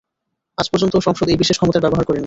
আজ পর্যন্ত সংসদ এই বিশেষ ক্ষমতার ব্যবহার করেনি।